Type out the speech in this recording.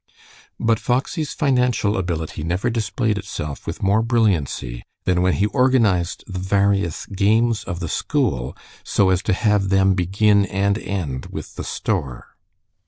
But Foxy's financial ability never displayed itself with more brilliancy than when he organized the various games of the school so as to have them begin and end with the store.